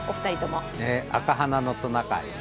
「赤鼻のトナカイ」。